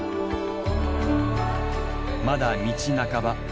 まだ道半ば。